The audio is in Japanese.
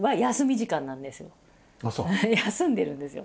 休んでるんですよ。